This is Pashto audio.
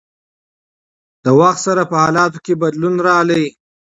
د وخت سره په حالاتو کښې بدلون راغی